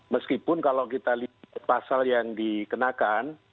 meskipun kalau kita lihat pasal yang dikenakan